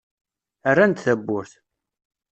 Rran-d tawwurt.